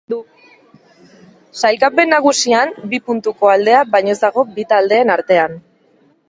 Sailkapen nagusian bi puntuko aldea baino ez dago bi taldeen artean.